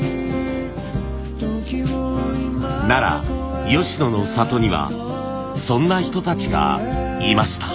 奈良吉野の里にはそんな人たちがいました。